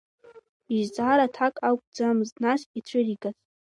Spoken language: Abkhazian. Изҵаара аҭак акәӡамызт нас ицәыригаз…